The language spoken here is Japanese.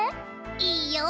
いいよ！